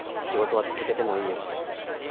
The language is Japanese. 仕事は続けてもいいよ。